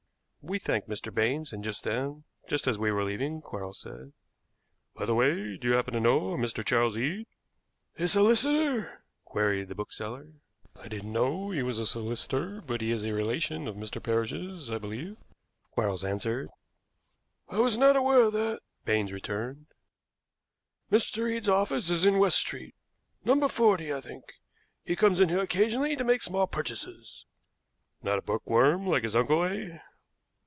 We thanked Mr. Baines, and then, just as we were leaving, Quarles said: "By the way, do you happen to know a Mr. Charles Eade?" "A solicitor?" queried the bookseller. "I didn't know he was a solicitor, but he is a relation of Mr. Parrish's, I believe," Quarles answered. "I was not aware of that," Baines returned. "Mr. Eade's office is in West Street No. 40, I think. He comes in here occasionally to make small purchases." "Not a bookworm like his uncle, eh?"